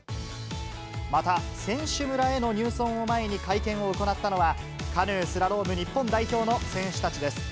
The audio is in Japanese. また選手村への入村を前に会見を行ったのは、カヌー・スラローム日本代表の選手たちです。